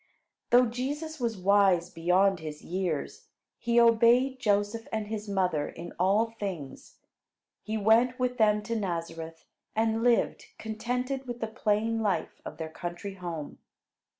Though Jesus was wise beyond his years, he obeyed Joseph and his mother in all things. He went with them to Nazareth, and lived contented with the plain life of their country home.